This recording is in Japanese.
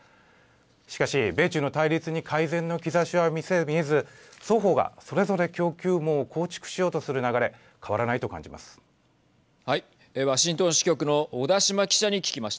しかし米中の対立に改善の兆しは見えず双方がそれぞれ供給網を構築しようとする流れ変わらないと感じます。